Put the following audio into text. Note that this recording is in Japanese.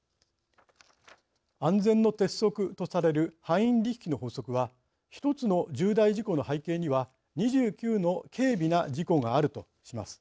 安全の鉄則とされるハインリッヒの法則はひとつの重大事故の背景には２９の軽微な事故があるとします。